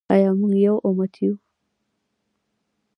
آیا موږ یو امت یو؟